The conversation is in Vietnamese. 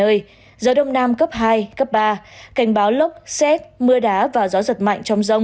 trong mưa rông nguy cơ xảy ra lốc xét mưa đá và gió giật mạnh